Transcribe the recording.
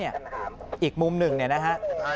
อีกมุมหนึ่งนะฮะ